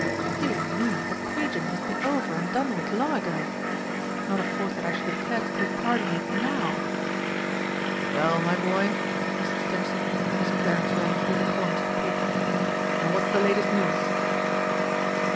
Dear me, the Pageant must be over and done with long ago! Not of course that I should have cared to take part in it now!" "Well, my boy," said Mr. Stimpson as Clarence ran through the columns of the paper, "and what's the latest news?"